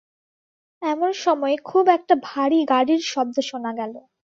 এমন সময়ে খুব একটা ভারী গাড়ির শব্দ শোনা গেল।